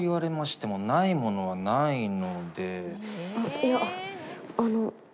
いやあのう。